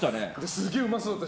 すげえうまそうだった。